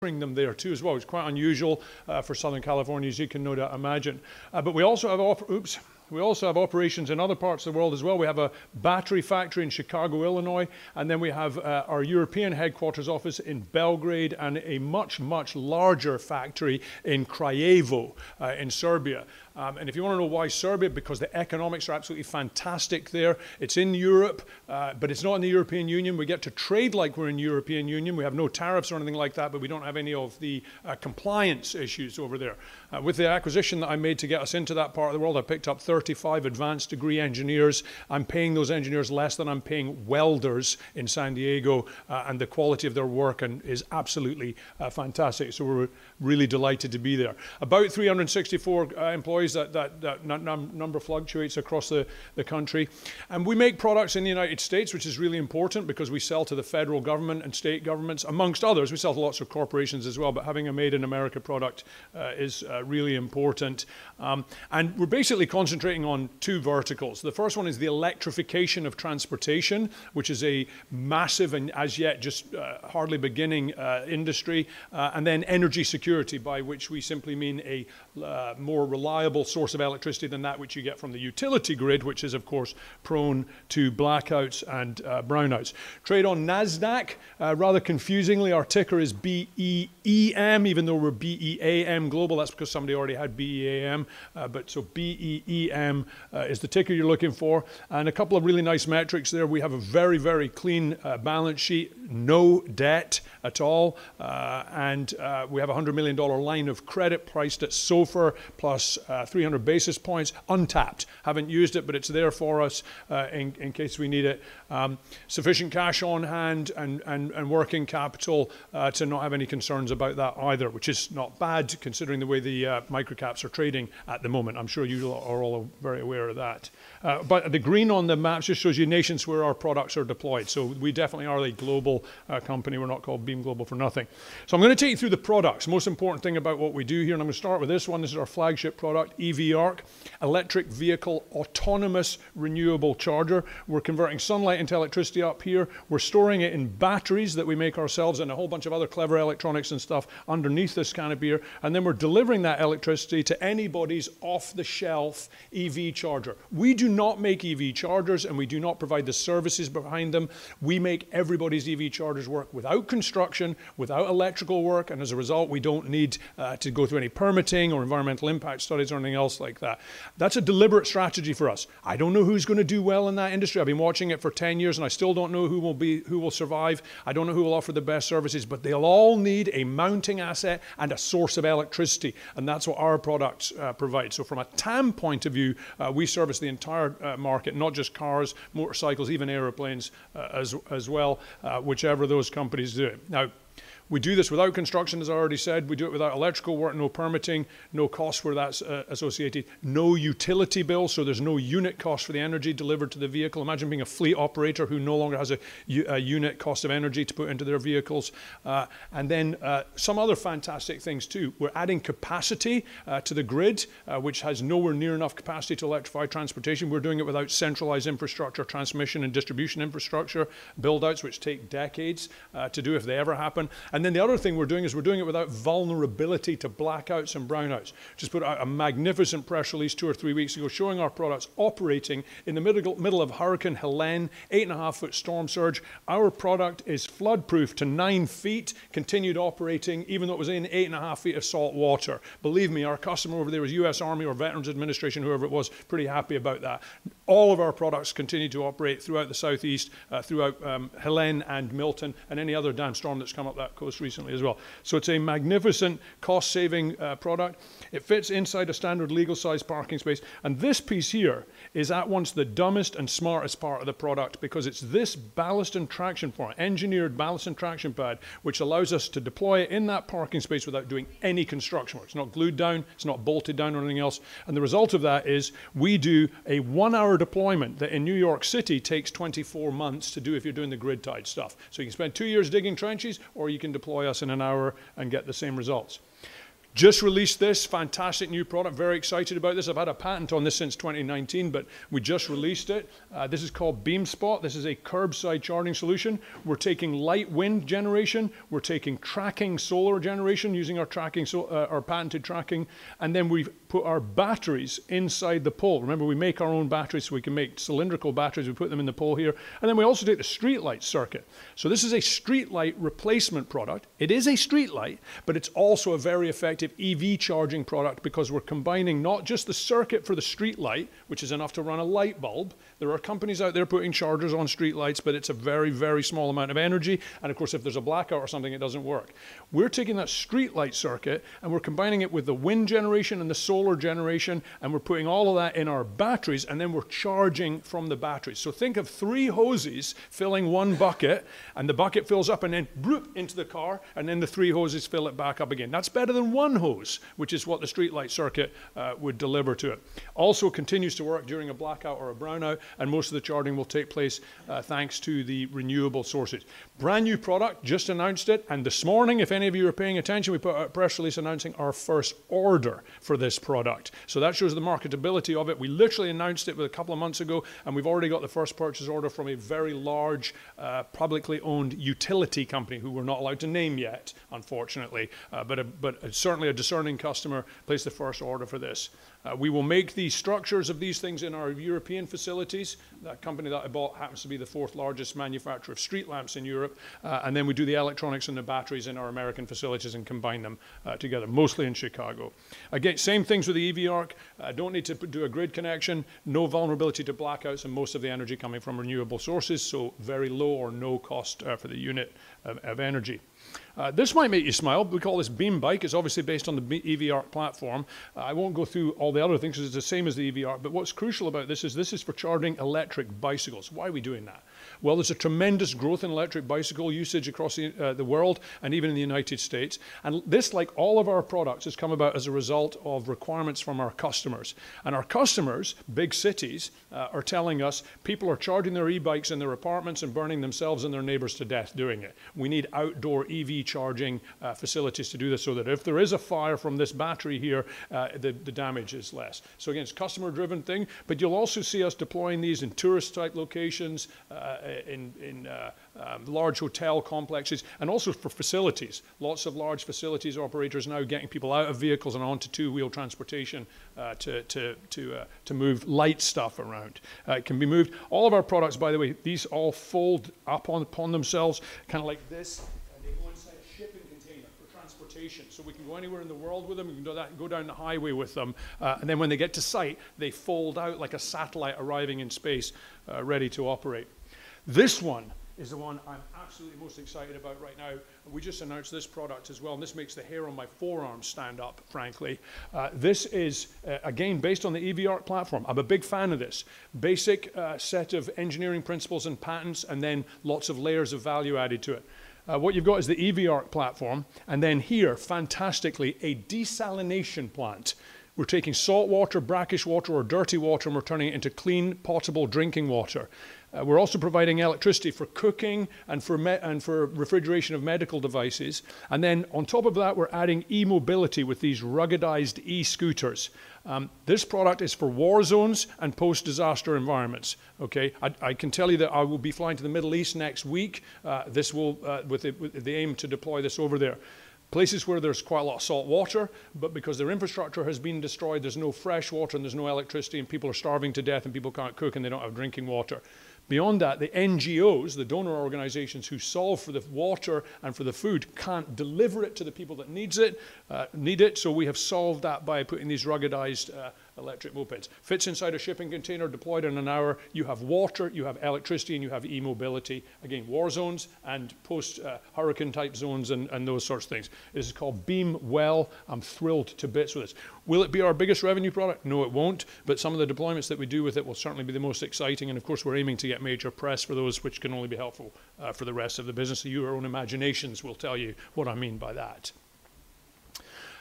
Bring them there too as well. It's quite unusual for Southern Californians, you can no doubt imagine. But we also have, oops, we also have operations in other parts of the world as well. We have a battery factory in Chicago, Illinois, and then we have our European headquarters office in Belgrade and a much, much larger factory in Craiova in Serbia, and if you want to know why Serbia, because the economics are absolutely fantastic there. It's in Europe, but it's not in the European Union. We get to trade like we're in the European Union. We have no tariffs or anything like that, but we don't have any of the compliance issues over there. With the acquisition that I made to get us into that part of the world, I picked up 35 advanced degree engineers. I'm paying those engineers less than I'm paying welders in San Diego, and the quality of their work is absolutely fantastic. So we're really delighted to be there. About 364 employees, that number fluctuates across the country. And we make products in the United States, which is really important because we sell to the federal government and state governments, amongst others. We sell to lots of corporations as well, but having a made-in-America product is really important. And we're basically concentrating on two verticals. The first one is the electrification of transportation, which is a massive and, as yet, just hardly beginning industry. And then energy security, by which we simply mean a more reliable source of electricity than that which you get from the utility grid, which is, of course, prone to blackouts and brownouts. Trade on NASDAQ, rather confusingly, our ticker is BEEM, even though we're Beam Global. That's because somebody already had BEAM, so BEEM is the ticker you're looking for, and a couple of really nice metrics there. We have a very, very clean balance sheet, no debt at all, and we have a $100 million line of credit priced at SOFR plus 300 basis points, untapped. Haven't used it, but it's there for us in case we need it. Sufficient cash on hand and working capital to not have any concerns about that either, which is not bad considering the way the microcaps are trading at the moment. I'm sure you are all very aware of that, but the green on the map just shows you nations where our products are deployed, so we definitely are a global company. We're not called Beam Global for nothing, so I'm going to take you through the products. Most important thing about what we do here, and I'm going to start with this one. This is our flagship product, EV ARC, electric vehicle autonomous renewable charger. We're converting sunlight into electricity up here. We're storing it in batteries that we make ourselves and a whole bunch of other clever electronics and stuff underneath this can of beer. And then we're delivering that electricity to anybody's off-the-shelf EV charger. We do not make EV chargers, and we do not provide the services behind them. We make everybody's EV chargers work without construction, without electrical work. And as a result, we don't need to go through any permitting or environmental impact studies or anything else like that. That's a deliberate strategy for us. I don't know who's going to do well in that industry. I've been watching it for 10 years, and I still don't know who will survive. I don't know who will offer the best services, but they'll all need a mounting asset and a source of electricity. And that's what our products provide. So from a TAM point of view, we service the entire market, not just cars, motorcycles, even airplanes as well, whichever those companies do. Now, we do this without construction, as I already said. We do it without electrical work, no permitting, no costs where that's associated, no utility bill. So there's no unit cost for the energy delivered to the vehicle. Imagine being a fleet operator who no longer has a unit cost of energy to put into their vehicles. And then some other fantastic things too. We're adding capacity to the grid, which has nowhere near enough capacity to electrify transportation. We're doing it without centralized infrastructure, transmission and distribution infrastructure, build-outs, which take decades to do if they ever happen. And then the other thing we're doing is we're doing it without vulnerability to blackouts and brownouts. We just put out a magnificent press release two or three weeks ago showing our products operating in the middle of Hurricane Helene, eight and a half foot storm surge. Our product is floodproof to nine feet, continued operating even though it was in eight and a half feet of salt water. Believe me, our customer over there was U.S. Army or Veterans Administration, whoever it was, pretty happy about that. All of our products continue to operate throughout the southeast, throughout Helene and Milton and any other downstorm that's come up that coast recently as well. So it's a magnificent cost-saving product. It fits inside a standard legal-sized parking space. And this piece here is at once the dumbest and smartest part of the product because it's this ballast and traction for our engineered ballast and traction pad, which allows us to deploy it in that parking space without doing any construction work. It's not glued down. It's not bolted down or anything else. And the result of that is we do a one-hour deployment that in New York City takes 24 months to do if you're doing the grid-tied stuff. So you can spend two years digging trenches, or you can deploy us in an hour and get the same results. Just released this fantastic new product. Very excited about this. I've had a patent on this since 2019, but we just released it. This is called BeamSpot. This is a curbside charging solution. We're taking light wind generation. We're taking tracking solar generation using our patented tracking. And then we've put our batteries inside the pole. Remember, we make our own batteries so we can make cylindrical batteries. We put them in the pole here. And then we also do the streetlight circuit. So this is a streetlight replacement product. It is a streetlight, but it's also a very effective EV charging product because we're combining not just the circuit for the streetlight, which is enough to run a light bulb. There are companies out there putting chargers on streetlights, but it's a very, very small amount of energy. And of course, if there's a blackout or something, it doesn't work. We're taking that streetlight circuit and we're combining it with the wind generation and the solar generation. And we're putting all of that in our batteries. And then we're charging from the batteries. So think of three hoses filling one bucket, and the bucket fills up and then into the car, and then the three hoses fill it back up again. That's better than one hose, which is what the streetlight circuit would deliver to it. Also continues to work during a blackout or a brownout, and most of the charging will take place thanks to the renewable sources. Brand new product, just announced it. And this morning, if any of you are paying attention, we put out a press release announcing our first order for this product. So that shows the marketability of it. We literally announced it a couple of months ago, and we've already got the first purchase order from a very large publicly owned utility company who we're not allowed to name yet, unfortunately. But certainly a discerning customer placed the first order for this. We will make the structures of these things in our European facilities. That company that I bought happens to be the fourth largest manufacturer of street lamps in Europe, and then we do the electronics and the batteries in our American facilities and combine them together, mostly in Chicago. Again, same things with the EV ARC. Don't need to do a grid connection. No vulnerability to blackouts and most of the energy coming from renewable sources, so very low or no cost for the unit of energy. This might make you smile. We call this BeamBike. It's obviously based on the EV ARC platform. I won't go through all the other things because it's the same as the EV ARC, but what's crucial about this is this is for charging electric bicycles. Why are we doing that? There's a tremendous growth in electric bicycle usage across the world and even in the United States. This, like all of our products, has come about as a result of requirements from our customers. Our customers, big cities, are telling us people are charging their e-bikes in their apartments and burning themselves and their neighbors to death doing it. We need outdoor EV charging facilities to do this so that if there is a fire from this battery here, the damage is less. Again, it's a customer-driven thing. You'll also see us deploying these in tourist-type locations, in large hotel complexes, and also for facilities. Lots of large facilities operators now getting people out of vehicles and onto two-wheel transportation to move light stuff around. It can be moved. All of our products, by the way, these all fold upon themselves, kind of like this. They go inside a shipping container for transportation. So we can go anywhere in the world with them. You can go down the highway with them. And then when they get to site, they fold out like a satellite arriving in space, ready to operate. This one is the one I'm absolutely most excited about right now. And we just announced this product as well. And this makes the hair on my forearm stand up, frankly. This is, again, based on the EV ARC platform. I'm a big fan of this. Basic set of engineering principles and patents, and then lots of layers of value added to it. What you've got is the EV ARC platform. And then here, fantastically, a desalination plant. We're taking saltwater, brackish water, or dirty water, and we're turning it into clean, potable drinking water. We're also providing electricity for cooking and for refrigeration of medical devices, and then on top of that, we're adding e-mobility with these ruggedized e-scooters. This product is for war zones and post-disaster environments. Okay? I can tell you that I will be flying to the Middle East next week with the aim to deploy this over there. Places where there's quite a lot of saltwater, but because their infrastructure has been destroyed, there's no fresh water and there's no electricity, and people are starving to death and people can't cook and they don't have drinking water. Beyond that, the NGOs, the donor organizations who solve for the water and for the food, can't deliver it to the people that need it, so we have solved that by putting these ruggedized electric mopeds. Fits inside a shipping container, deployed in an hour. You have water, you have electricity, and you have e-mobility. Again, war zones and post-hurricane-type zones and those sorts of things. This is called BeamWell. I'm thrilled to bits with this. Will it be our biggest revenue product? No, it won't, but some of the deployments that we do with it will certainly be the most exciting, and of course, we're aiming to get major press for those, which can only be helpful for the rest of the business. Your own imaginations will tell you what I mean by that.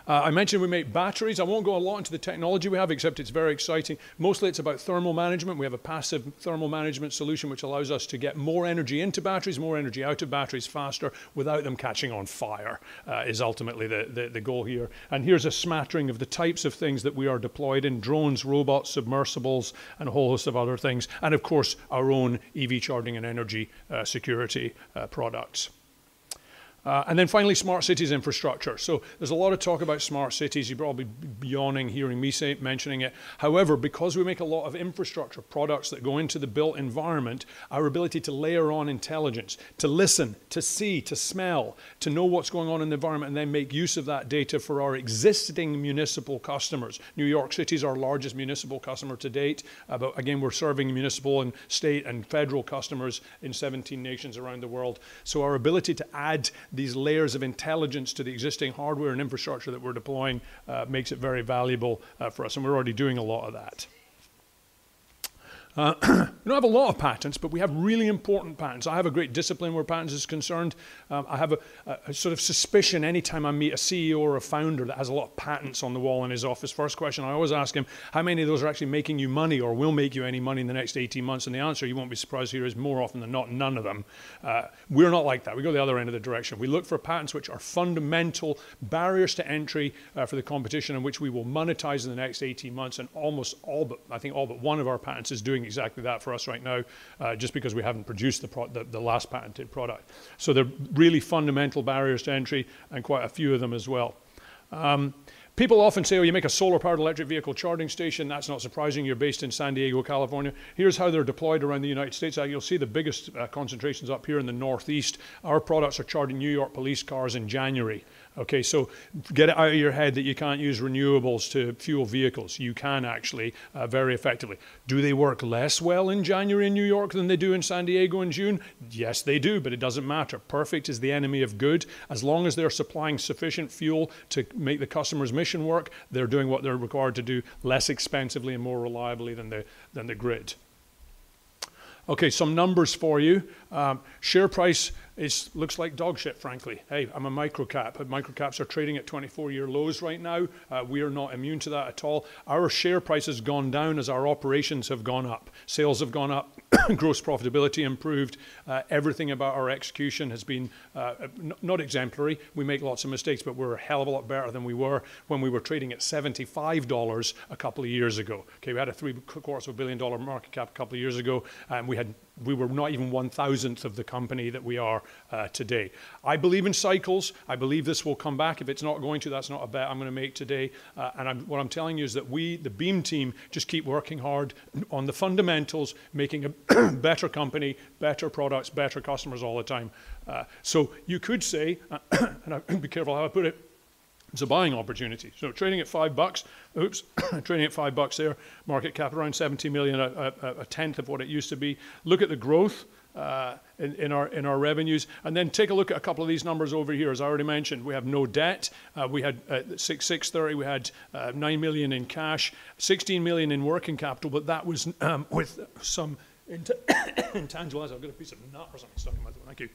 I mentioned we make batteries. I won't go a lot into the technology we have, except it's very exciting. Mostly, it's about thermal management. We have a passive thermal management solution, which allows us to get more energy into batteries, more energy out of batteries faster, without them catching on fire, is ultimately the goal here. And here's a smattering of the types of things that we are deployed in: drones, robots, submersibles, and a whole host of other things. And of course, our own EV charging and energy security products. And then finally, smart cities infrastructure. So there's a lot of talk about smart cities. You're probably yawning hearing me say it, mentioning it. However, because we make a lot of infrastructure products that go into the built environment, our ability to layer on intelligence, to listen, to see, to smell, to know what's going on in the environment, and then make use of that data for our existing municipal customers. New York City is our largest municipal customer to date. Again, we're serving municipal and state and federal customers in 17 nations around the world. So our ability to add these layers of intelligence to the existing hardware and infrastructure that we're deploying makes it very valuable for us. And we're already doing a lot of that. We don't have a lot of patents, but we have really important patents. I have a great discipline where patent is concerned. I have a sort of suspicion anytime I meet a CEO or a founder that has a lot of patents on the wall in his office. First question, I always ask him, how many of those are actually making you money or will make you any money in the next 18 months? And the answer, you won't be surprised to hear, is more often than not, none of them. We're not like that. We go the other end of the direction. We look for patents which are fundamental barriers to entry for the competition in which we will monetize in the next 18 months. And almost all, but I think all but one of our patents is doing exactly that for us right now just because we haven't produced the last patented product. So they're really fundamental barriers to entry and quite a few of them as well. People often say, "Oh, you make a solar-powered electric vehicle charging station." That's not surprising. You're based in San Diego, California. Here's how they're deployed around the United States. You'll see the biggest concentrations up here in the northeast. Our products are charging New York police cars in January. Okay? So get out of your head that you can't use renewables to fuel vehicles. You can actually very effectively. Do they work less well in January in New York than they do in San Diego in June? Yes, they do, but it doesn't matter. Perfect is the enemy of good. As long as they're supplying sufficient fuel to make the customer's mission work, they're doing what they're required to do less expensively and more reliably than the grid. Okay, some numbers for you. Share price looks like dog shit, frankly. Hey, I'm a microcap. Microcaps are trading at 24-year lows right now. We are not immune to that at all. Our share price has gone down as our operations have gone up. Sales have gone up. Gross profitability improved. Everything about our execution has been not exemplary. We make lots of mistakes, but we're a hell of a lot better than we were when we were trading at $75 a couple of years ago. Okay? We had a $750 million market cap a couple of years ago. We were not even one-thousandth of the company that we are today. I believe in cycles. I believe this will come back. If it's not going to, that's not a bet I'm going to make today. And what I'm telling you is that we, the Beam team, just keep working hard on the fundamentals, making a better company, better products, better customers all the time. So you could say, and be careful how I put it, it's a buying opportunity. So trading at $5. Oops. Trading at $5 there. Market cap around $17 million, a tenth of what it used to be. Look at the growth in our revenues. And then take a look at a couple of these numbers over here. As I already mentioned, we have no debt. We had 630. We had $9 million in cash, $16 million in working capital, but that was with some intangible. I've got a piece of knot or something stuck in my throat. Thank you.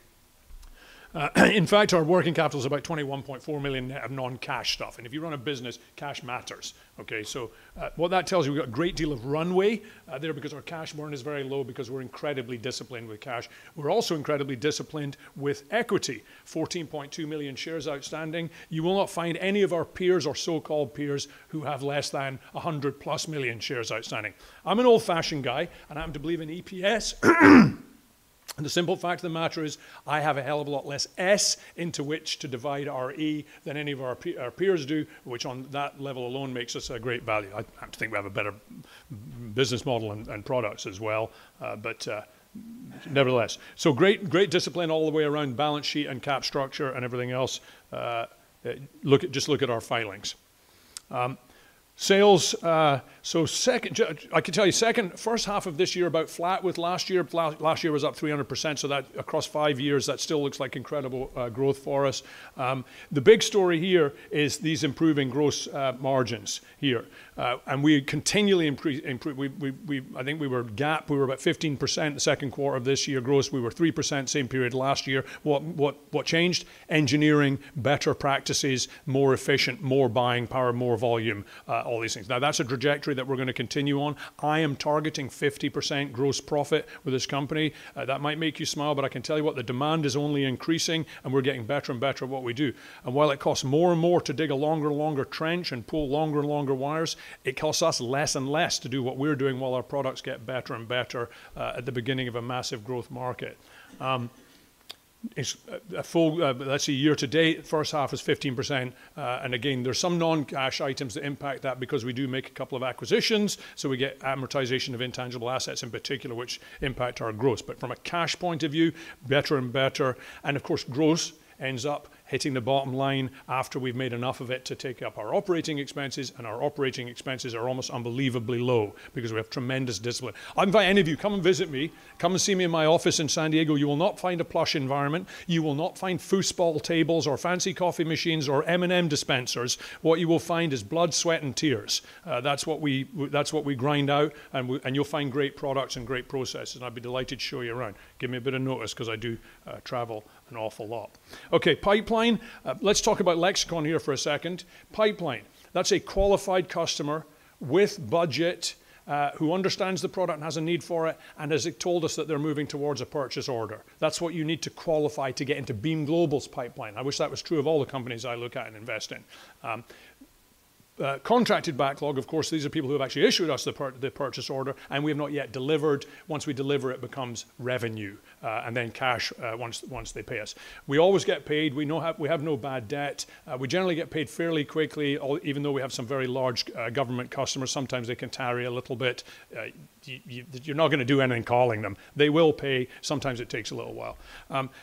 In fact, our working capital is about $21.4 million net of non-cash stuff. And if you run a business, cash matters. Okay? So what that tells you, we've got a great deal of runway there because our cash burn is very low because we're incredibly disciplined with cash. We're also incredibly disciplined with equity. 14.2 million shares outstanding. You will not find any of our peers or so-called peers who have less than 100-plus million shares outstanding. I'm an old-fashioned guy, and I happen to believe in EPS. The simple fact of the matter is I have a hell of a lot less shares into which to divide our earnings than any of our peers do, which on that level alone makes us a great value. I happen to think we have a better business model and products as well. But nevertheless, so great discipline all the way around balance sheet and cap structure and everything else. Just look at our filings. Sales. So I can tell you second, first half of this year about flat with last year. Last year was up 300%. So that across five years, that still looks like incredible growth for us. The big story here is these improving gross margins here. We continually improve. I think we were GAAP. We were about 15% in the second quarter of this year gross. We were 3% same period last year. What changed? Engineering, better practices, more efficient, more buying power, more volume, all these things. Now, that's a trajectory that we're going to continue on. I am targeting 50% gross profit with this company. That might make you smile, but I can tell you what, the demand is only increasing, and we're getting better and better at what we do. And while it costs more and more to dig a longer and longer trench and pull longer and longer wires, it costs us less and less to do what we're doing while our products get better and better at the beginning of a massive growth market. Let's see, year to date, first half is 15%. And again, there's some non-cash items that impact that because we do make a couple of acquisitions. So we get amortization of intangible assets in particular, which impact our growth. But from a cash point of view, better and better. And of course, gross ends up hitting the bottom line after we've made enough of it to take up our operating expenses. And our operating expenses are almost unbelievably low because we have tremendous discipline. I invite any of you, come and visit me, come and see me in my office in San Diego. You will not find a plush environment. You will not find foosball tables or fancy coffee machines or M&M dispensers. What you will find is blood, sweat, and tears. That's what we grind out. And you'll find great products and great processes. And I'd be delighted to show you around. Give me a bit of notice because I do travel an awful lot. Okay, pipeline. Let's talk about lexicon here for a second. Pipeline. That's a qualified customer with budget who understands the product and has a need for it and has told us that they're moving towards a purchase order. That's what you need to qualify to get into Beam Global's pipeline. I wish that was true of all the companies I look at and invest in. Contracted backlog, of course. These are people who have actually issued us the purchase order, and we have not yet delivered. Once we deliver, it becomes revenue and then cash once they pay us. We always get paid. We have no bad debt. We generally get paid fairly quickly, even though we have some very large government customers. Sometimes they can tarry a little bit. You're not going to do anything calling them. They will pay. Sometimes it takes a little while.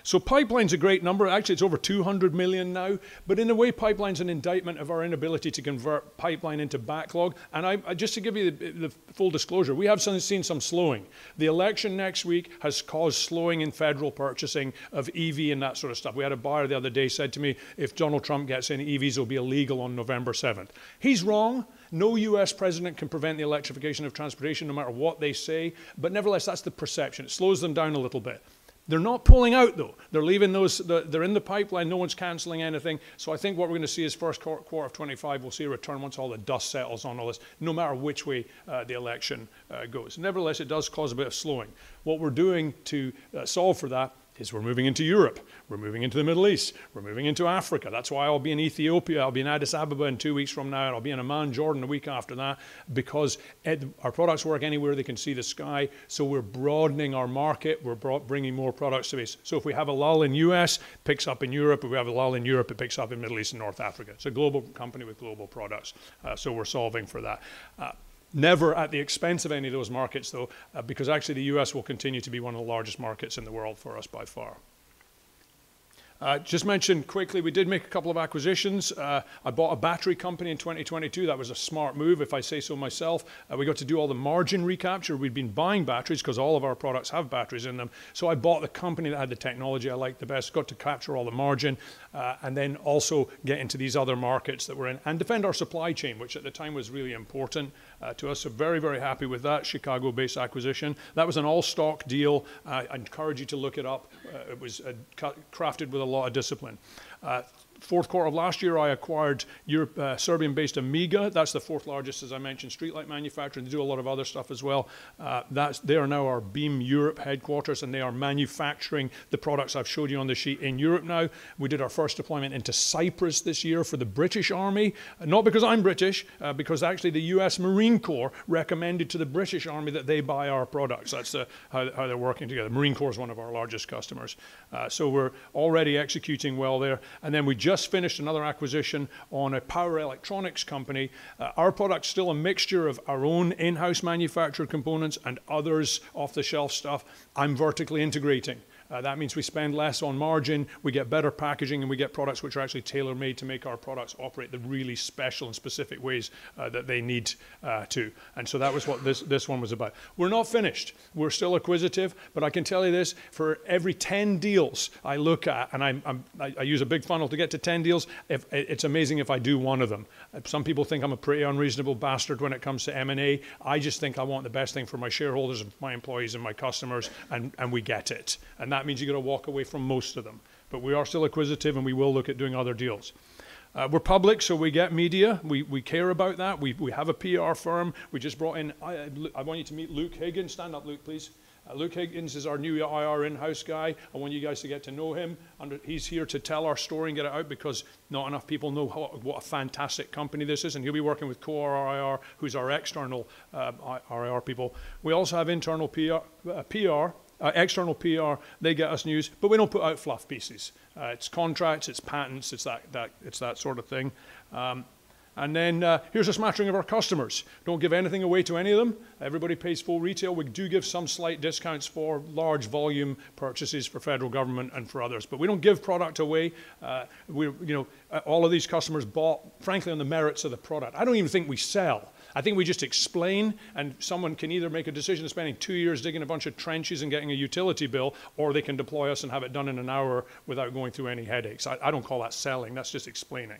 So pipeline's a great number. Actually, it's over 200 million now. But in a way, pipeline's an indictment of our inability to convert pipeline into backlog. And just to give you the full disclosure, we have seen some slowing. The election next week has caused slowing in federal purchasing of EV and that sort of stuff. We had a buyer the other day said to me, "If Donald Trump gets in, EVs will be illegal on November 7th." He's wrong. No U.S. president can prevent the electrification of transportation no matter what they say. But nevertheless, that's the perception. It slows them down a little bit. They're not pulling out, though. They're in the pipeline. No one's canceling anything. So I think what we're going to see is first quarter of 2025. We'll see a return once all the dust settles on all this, no matter which way the election goes. Nevertheless, it does cause a bit of slowing. What we're doing to solve for that is we're moving into Europe. We're moving into the Middle East. We're moving into Africa. That's why I'll be in Ethiopia. I'll be in Addis Ababa in two weeks from now, and I'll be in Amman, Jordan the week after that because our products work anywhere they can see the sky. So we're broadening our market. We're bringing more products to base. So if we have a lull in U.S., it picks up in Europe. If we have a lull in Europe, it picks up in Middle East and North Africa. It's a global company with global products. So we're solving for that. Never at the expense of any of those markets, though, because actually the U.S. will continue to be one of the largest markets in the world for us by far. Just mentioned quickly, we did make a couple of acquisitions. I bought a battery company in 2022. That was a smart move, if I say so myself. We got to do all the margin recapture. We've been buying batteries because all of our products have batteries in them. So I bought the company that had the technology I liked the best, got to capture all the margin, and then also get into these other markets that we're in and defend our supply chain, which at the time was really important to us. So very, very happy with that Chicago-based acquisition. That was an all-stock deal. I encourage you to look it up. It was crafted with a lot of discipline. Fourth quarter of last year, I acquired Serbian-based Amiga. That's the fourth largest, as I mentioned, streetlight manufacturer. They do a lot of other stuff as well. They are now our Beam Europe headquarters, and they are manufacturing the products I've showed you on the sheet in Europe now. We did our first deployment into Cyprus this year for the British Army. Not because I'm British, because actually the U.S. Marine Corps recommended to the British Army that they buy our products. That's how they're working together. Marine Corps is one of our largest customers. So we're already executing well there, and then we just finished another acquisition on a power electronics company. Our product's still a mixture of our own in-house manufactured components and others off-the-shelf stuff. I'm vertically integrating. That means we spend less on margin. We get better packaging, and we get products which are actually tailor-made to make our products operate the really special and specific ways that they need to, and so that was what this one was about. We're not finished. We're still acquisitive, but I can tell you this. For every 10 deals I look at, and I use a big funnel to get to 10 deals, it's amazing if I do one of them. Some people think I'm a pretty unreasonable bastard when it comes to M&A. I just think I want the best thing for my shareholders and my employees and my customers, and we get it, and that means you've got to walk away from most of them, but we are still acquisitive, and we will look at doing other deals. We're public, so we get media. We care about that. We have a PR firm. We just brought in. I want you to meet Luke Higgins. Stand up, Luke, please. Luke Higgins is our new IR in-house guy. I want you to get to know him. He's here to tell our story and get it out because not enough people know what a fantastic company this is, and he'll be working with Core IR, who's our external IR people. We also have internal PR, external PR. They get us news, but we don't put out fluff pieces. It's contracts. It's patents. It's that sort of thing, and then here's a smattering of our customers. Don't give anything away to any of them. Everybody pays full retail. We do give some slight discounts for large volume purchases for federal government and for others, but we don't give product away. All of these customers bought, frankly, on the merits of the product. I don't even think we sell. I think we just explain. And someone can either make a decision spending two years digging a bunch of trenches and getting a utility bill, or they can deploy us and have it done in an hour without going through any headaches. I don't call that selling. That's just explaining.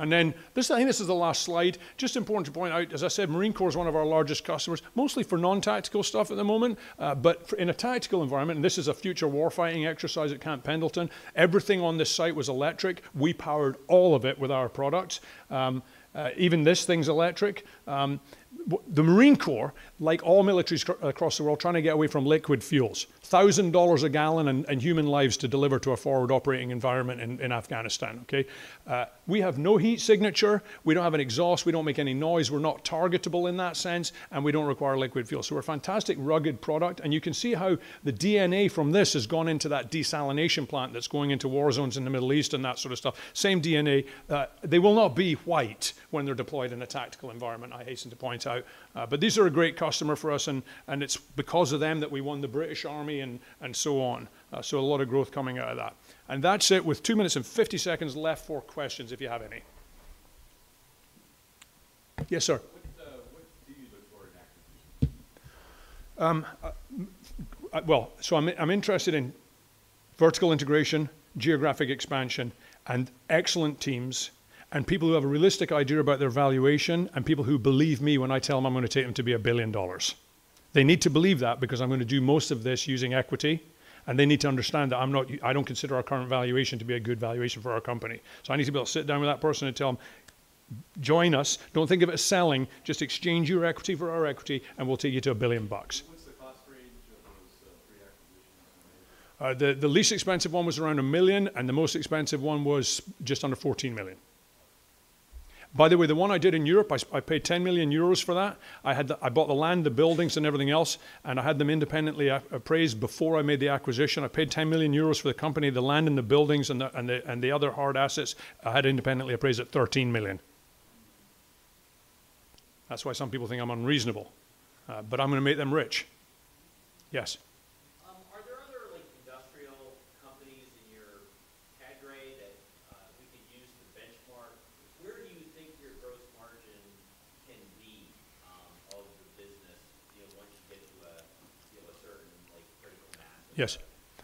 And then I think this is the last slide. Just important to point out, as I said, Marine Corps is one of our largest customers, mostly for non-tactical stuff at the moment. But in a tactical environment, and this is a future warfighting exercise at Camp Pendleton, everything on this site was electric. We powered all of it with our products. Even this thing's electric. The Marine Corps, like all militaries across the world, are trying to get away from liquid fuels. $1,000 a gallon and human lives to deliver to a forward operating environment in Afghanistan. Okay? We have no heat signature. We don't have an exhaust. We don't make any noise. We're not targetable in that sense. And we don't require liquid fuel. So we're a fantastic rugged product. And you can see how the DNA from this has gone into that desalination plant that's going into war zones in the Middle East and that sort of stuff. Same DNA. They will not be white when they're deployed in a tactical environment, I hasten to point out. But these are a great customer for us. And it's because of them that we won the British Army and so on. So a lot of growth coming out of that. And that's it with two minutes and 50 seconds left for questions if you have any. Yes, sir. What do you look for in acquisitions? I’m interested in vertical integration, geographic expansion, and excellent teams, and people who have a realistic idea about their valuation, and people who believe me when I tell them I’m going to take them to be a billion dollars. They need to believe that because I’m going to do most of this using equity. And they need to understand that I don’t consider our current valuation to be a good valuation for our company. So I need to be able to sit down with that person and tell them, “Join us. Don’t think of it as selling. Just exchange your equity for our equity, and we’ll take you to a billion bucks.” What’s the cost range of those three acquisitions? The least expensive one was around $1 million, and the most expensive one was just under $14 million. By the way, the one I did in Europe, I paid 10 million euros for that. I bought the land, the buildings, and everything else, and I had them independently appraised before I made the acquisition. I paid 10 million euros for the company, the land, and the buildings, and the other hard assets. I had independently appraised at 13 million. That's why some people think I'm unreasonable, but I'm going to make them rich. Yes.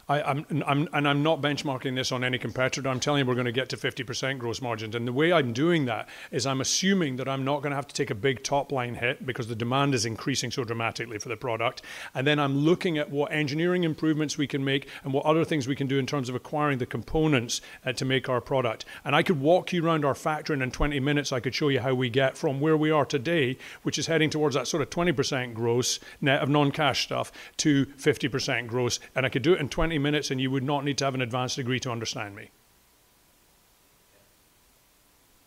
and I'm not benchmarking this on any competitor, but I'm telling you we're going to get to 50% gross margins. And the way I'm doing that is I'm assuming that I'm not going to have to take a big top-line hit because the demand is increasing so dramatically for the product. And then I'm looking at what engineering improvements we can make and what other things we can do in terms of acquiring the components to make our product. And I could walk you around our factory in 20 minutes. I could show you how we get from where we are today, which is heading towards that sort of 20% gross net of non-cash stuff, to 50% gross. And I could do it in 20 minutes, and you would not need to have an advanced degree to understand me.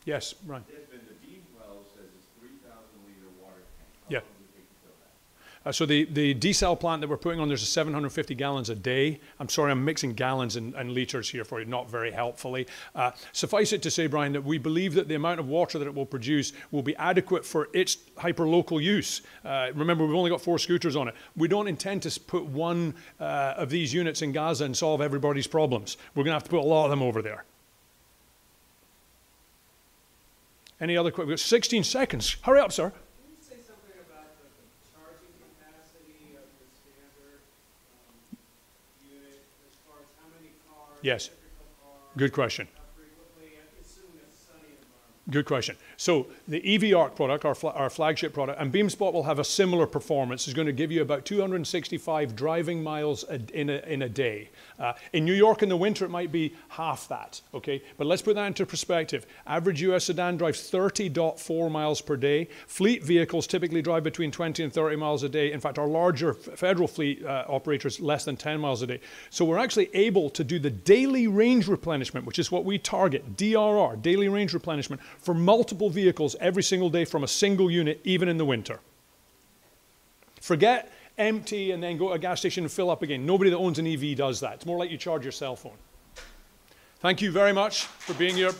Yes, Brian. The BeamWell has a 3,000-liter water tank. How long does it take to fill that? So the desal plant that we're putting on, there's 750 gallons a day. I'm sorry, I'm mixing gallons and liters here for you, not very helpfully. Suffice it to say, Brian, that we believe that the amount of water that it will produce will be adequate for its hyper-local use. Remember, we've only got four scooters on it. We don't intend to put one of these units in Gaza and solve everybody's problems. We're going to have to put a lot of them over there. Any other questions? We've got 16 seconds. Hurry up, sir. Good question. So the EV ARC product, our flagship product, and BeamSpot will have a similar performance. It's going to give you about 265 driving miles in a day. In New York in the winter, it might be half that. Okay? But let's put that into perspective. Average U.S. sedan drives 30.4 miles per day. Fleet vehicles typically drive between 20 and 30 miles a day. In fact, our larger federal fleet operators, less than 10 miles a day. So we're actually able to do the daily range replenishment, which is what we target, DRR, daily range replenishment for multiple vehicles every single day from a single unit, even in the winter. Forget empty and then go to a gas station and fill up again. Nobody that owns an EV does that. It's more like you charge your cell phone. Thank you very much for being here.